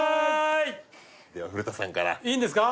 では古田さんからいいんですか？